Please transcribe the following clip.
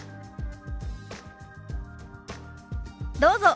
どうぞ。